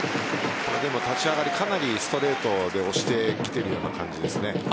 でも立ち上がり、かなりストレートで押してきているような感じですね。